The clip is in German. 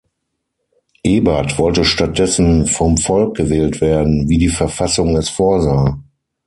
Ebert wollte stattdessen vom Volk gewählt werden, wie die Verfassung es vorsah.